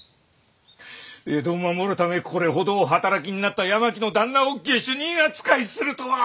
江戸を守るためにこれほどお働きになった八巻の旦那を下手人扱いするとは！